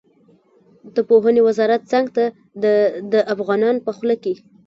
د پوهنې وزارت څنګ ته د ده افغانان په خوله کې.